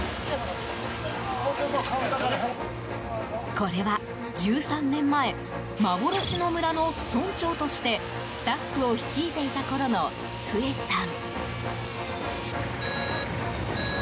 これは１３年前幻の村の村長としてスタッフを率いていたころのスエさん。